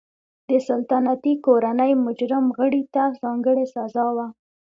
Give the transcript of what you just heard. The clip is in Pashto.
د سلطنتي کورنۍ مجرم غړي ته ځانګړې سزا وه.